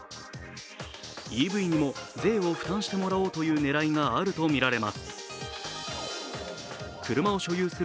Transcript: ＥＶにも税を負担してもらおうという狙いがあるとみられます。